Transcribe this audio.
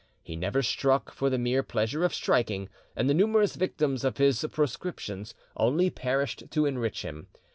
He never struck for the mere pleasure of striking, and the numerous victims of his proscriptions only perished to enrich him.